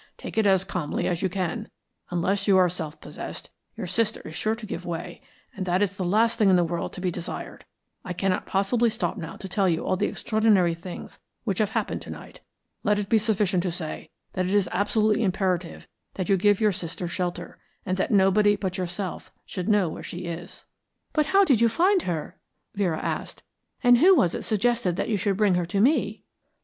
"Take it as calmly as you can. Unless you are self possessed, your sister is sure to give way, and that is the last thing in the world to be desired. I cannot possibly stop now to tell you all the extraordinary things which have happened to night. Let it be sufficient to say that it is absolutely imperative that you give your sister shelter, and that nobody but yourself should know where she is." "But how did you find her?" Vera asked. "And who was it suggested that you should bring her to me?"